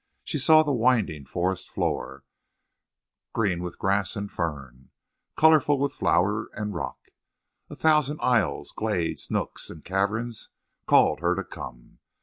She saw the winding forest floor, green with grass and fern, colorful with flower and rock. A thousand aisles, glades, nooks, and caverns called her to come.